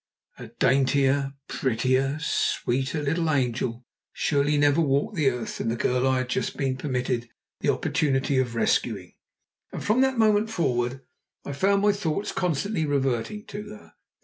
A daintier, prettier, sweeter little angel surely never walked the earth than the girl I had just been permitted the opportunity of rescuing, and from that moment forward I found my thoughts constantly reverting to her.